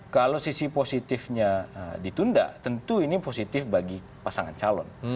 kalau sisi positifnya ditunda tentu ini positif bagi pasangan calon